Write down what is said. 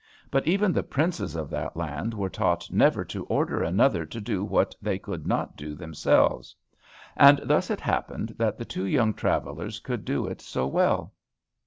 But even the princes of that land were taught never to order another to do what they could not do themselves. And thus it happened that the two young travellers could do it so well.